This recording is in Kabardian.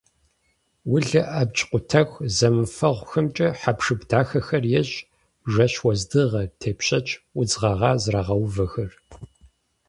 Улэ абдж къутахуэ зэмыфэгъухэмкӏэ хэпшып дахэхэр ещӏ: жэщ уэздыгъэ, тепщэч, удз гъэгъа зрагъэувэхэр.